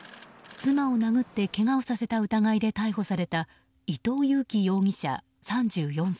妻を殴ってけがをさせた疑いで逮捕された伊藤裕樹容疑者、３４歳。